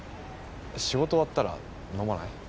仕事終わったら飲まない？